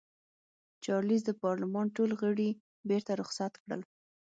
چارلېز د پارلمان ټول غړي بېرته رخصت کړل.